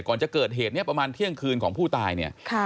ก่อนจะเกิดเหตุนี้ประมาณเที่ยงคืนของผู้ตายเนี่ย